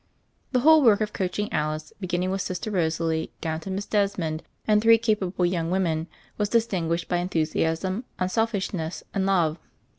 The whole work of coaching Alice, begin ning with Sister Rosalie down to Miss Desmond and three capable young women, was distin guished by enthusiasm, unselfishness, and love.